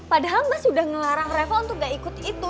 padahal mas udah ngelarang rafa untuk gak ikut itu